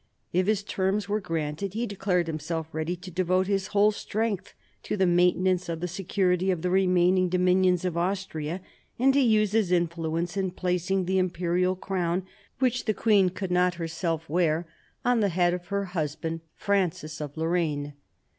If his terms were granted, he declared himself ready to devote his whole strength to the maintenance of the security of the remaining dominions of Austria, and to use his influence in placing the Imperial crown, which the queen could not herself 12 MARIA THERESA chap, i wear, on the head of her husband, Francis of Lorraine.